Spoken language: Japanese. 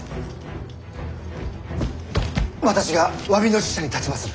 私が詫びの使者に立ちまする。